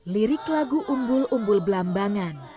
lirik lagu umbul umbul belambangan